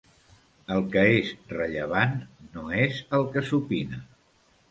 El que és rellevant no és el que s’opina.